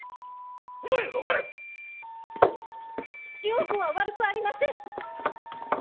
良子は悪くありません！